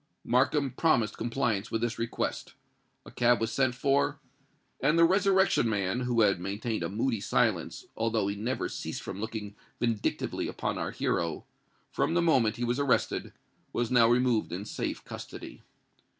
Markham promised compliance with this request. A cab was sent for; and the Resurrection Man, who had maintained a moody silence, although he never ceased from looking vindictively upon our hero, from the moment he was arrested, was now removed in safe custody.